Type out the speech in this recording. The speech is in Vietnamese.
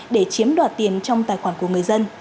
để chiếm đoạt tiền trong tài khoản của người dân